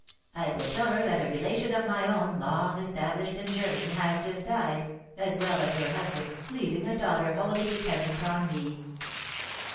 I will tell her that a relation of my own, long established in Germany, has just died, as well as her husband, leaving a daughter wholly dependent on me."